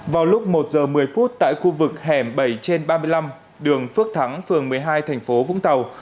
vào lúc một giờ một mươi phút tại khu vực hẻm bảy trên ba mươi năm đường phước thắng phường một mươi hai thành phố vũng tàu